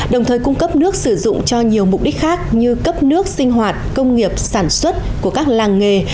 đồng thời cung cấp nước sử dụng cho nhiều mục đích khác như cấp nước sinh hoạt công nghiệp sản xuất của các làng nghề